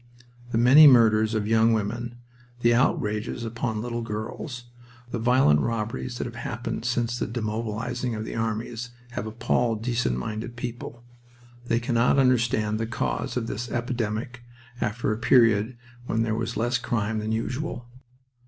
The many murders of young women, the outrages upon little girls, the violent robberies that have happened since the demobilizing of the armies have appalled decent minded people. They cannot understand the cause of this epidemic after a period when there was less crime than usual.